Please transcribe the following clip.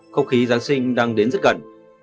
công khí giáng sinh đang đến rất gần